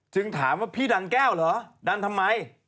ถามว่าพี่ดันแก้วเหรอดันทำไม